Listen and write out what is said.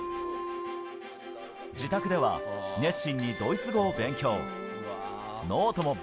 自宅では熱心にドイツ語を勉強。